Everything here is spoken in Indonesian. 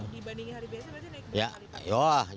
dibandingin hari biasa berarti naik kebanyakan kali